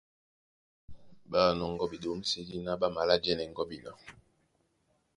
Ɓá nɔŋgɔ́ ɓeɗǒmsédí ná ɓá malá jɛ́nɛ gɔ́bina.